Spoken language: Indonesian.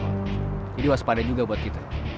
jadi waspada juga buat kita